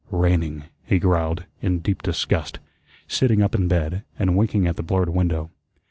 "Raining," he growled, in deep disgust, sitting up in bed, and winking at the blurred window.